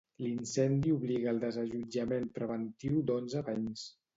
L'incendi obliga el desallotjament preventiu d'onze veïns.